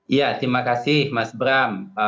iya terima kasih mas bram